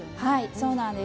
そうなんです。